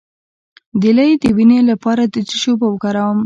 د لۍ د وینې لپاره د څه شي اوبه وکاروم؟